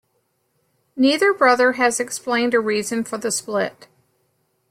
Neither brother has explained a reason for the split.